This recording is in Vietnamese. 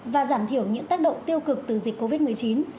và giảm thiểu những tác động tiêu cực từ dịch covid một mươi chín